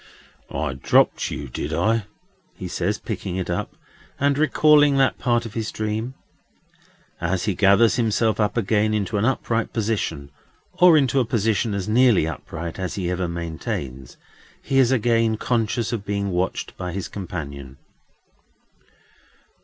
"I dropped you, did I?" he says, picking it up, and recalling that part of his dream. As he gathers himself up again into an upright position, or into a position as nearly upright as he ever maintains, he is again conscious of being watched by his companion.